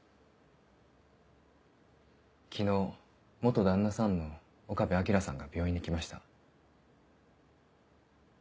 昨日旦那さんの岡部彰さんが病院に来ました。